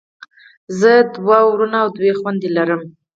زه دوه وروڼه او دوه خویندی لرم.